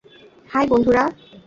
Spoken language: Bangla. হাই, বন্ধুরা।